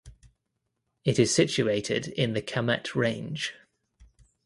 It is situated in the Kamet range.